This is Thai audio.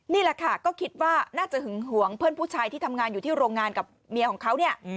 นี่แหละค่ะก็คิดว่าน่าจะหึงหวงเพื่อนผู้ชายที่ทำงานอยู่ที่โรงงานกับเมียของเขาเนี่ย